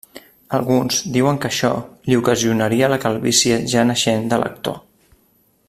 Alguns diuen que això li ocasionaria la calvície ja naixent de l'actor.